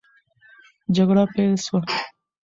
جګړه پیل سوه.